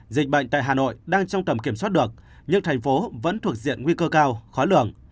dịch bệnh tại hà nội đang trong tầm kiểm soát được nhưng thành phố vẫn thuộc diện nguy cơ cao khó lường